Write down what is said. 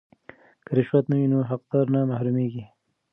که رشوت نه وي نو حقدار نه محرومیږي.